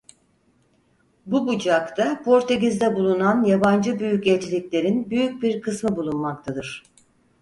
Bu bucakta Portekiz'de bulunan yabancı büyükelçiliklerin büyük bir kısmı bulunmaktadır.